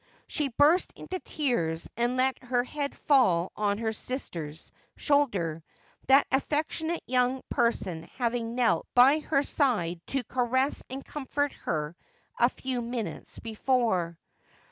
She burst into tears, and let her head fall on her sister's shoulder, that affectionate young person having knelt by her side to caress and comfort her a few minutes before.